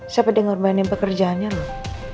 siapa dia ngorbanin pekerjaannya loh